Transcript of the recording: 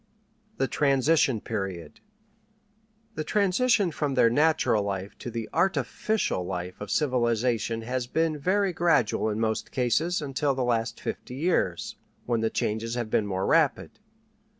THE TRANSITION PERIOD The transition from their natural life to the artificial life of civilization has been very gradual in most cases, until the last fifty years, when the changes have been more rapid.